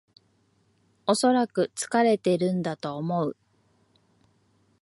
おそらく疲れてるんだと思う